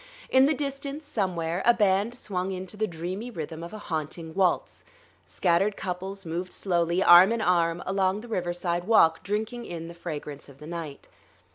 In the distance, somewhere, a band swung into the dreamy rhythm of a haunting waltz. Scattered couples moved slowly, arm in arm, along the riverside walk, drinking in the fragrance of the night.